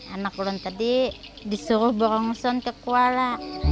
anak ulun tadi disuruh borongsong ke kuala